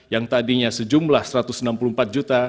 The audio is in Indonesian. yang tadinya sejumlah satu ratus enam puluh empat juta